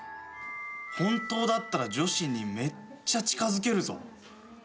本当だったら女子にめっちゃ近づけるぞ。